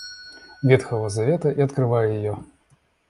Ветхого Завета и открывая ее.